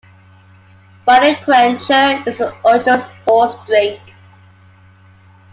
Body Quencher is the original sports drink.